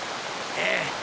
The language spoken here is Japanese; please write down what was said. ええ。